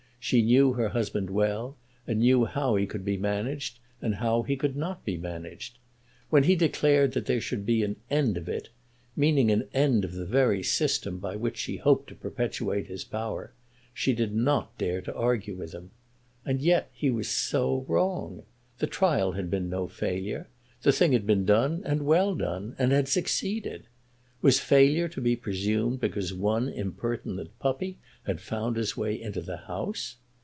She knew her husband well, and knew how he could be managed and how he could not be managed. When he declared that there should be an "end of it," meaning an end of the very system by which she hoped to perpetuate his power, she did not dare to argue with him. And yet he was so wrong! The trial had been no failure. The thing had been done and well done, and had succeeded. Was failure to be presumed because one impertinent puppy had found his way into the house?